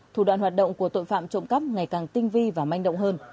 thủ đoạn hoạt động của tội phạm trộm cắp ngày càng tinh vi và manh động hơn